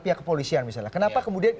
pihak kepolisian misalnya kenapa kemudian